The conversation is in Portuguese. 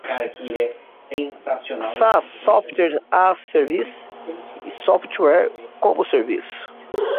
SaaS (Software as a Service) é software como serviço.